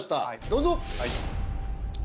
どうぞ。